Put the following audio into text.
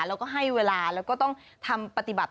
แล้วก็ให้เวลาแล้วก็ต้องทำปฏิบัติ